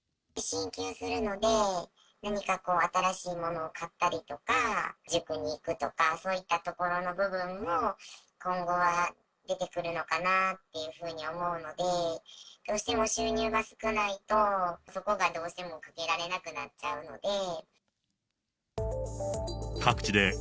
進級するので、何かこう、新しいものを買ったりとか、塾に行くとか、そういったところの部分も、今後は出てくるのかなというふうに思うので、どうしても収入が少ないと、そこがどうしてもかけられなくなっちゃうので。